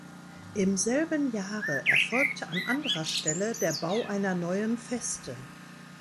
Im selben Jahre erfolgte an anderer Stelle der Bau einer neuen Feste.